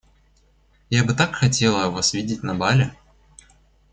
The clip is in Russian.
Я бы так хотела вас видеть на бале.